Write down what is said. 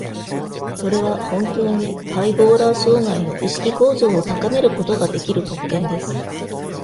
それは、本当にバイポーラー障害の意識向上を高めることが出来る特権です。